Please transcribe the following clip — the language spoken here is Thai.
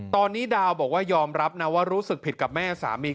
ตอนนี้ดาวบอกว่ายอมรับนะว่ารู้สึกผิดกับแม่สามี